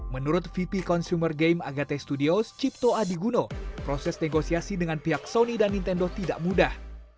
menurut vp consumer game agate studios cipto adiguno proses negosiasi dengan pihak sony dan nintendo tidak mudah